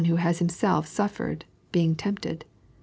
who haa )iim§elf auffered, being tempted.